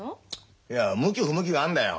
いや向き不向きがあんだよ。